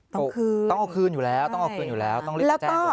ต้องคืนต้องเอาคืนอยู่แล้วต้องรีบแจ้งเลย